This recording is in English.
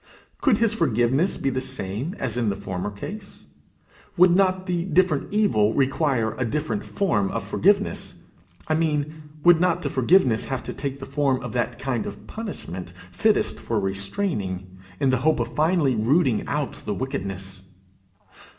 Could his forgiveness be the same as in the former case? Would not the different evil require a different form of forgiveness? I mean, would not the forgiveness have to take the form of that kind of punishment fittest for restraining, in the hope of finally rooting out, the wickedness?